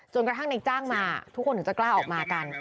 กระทั่งในจ้างมาทุกคนถึงจะกล้าออกมากัน